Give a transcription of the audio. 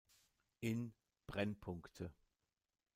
In: "Brennpunkte.